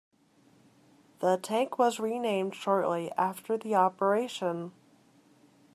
The tank was renamed shortly after the operation.